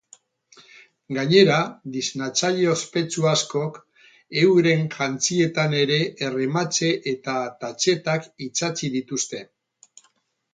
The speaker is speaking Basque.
Gainera, diseinatzaile ospetsu askok euren jantzietan ere errematxe eta tatxetak itsatsi dituzte.